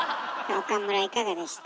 岡村いかがでした？